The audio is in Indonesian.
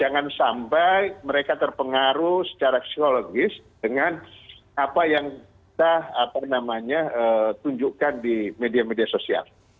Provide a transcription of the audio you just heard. jangan sampai mereka terpengaruh secara psikologis dengan apa yang kita tunjukkan di media media sosial